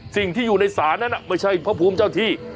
สิ่งที่อยู่ในศาลนั้นไม่ใช่พระภูมิเจ้าที่